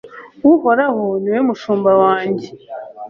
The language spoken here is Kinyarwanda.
Uhoraho ni we mushumba wanjye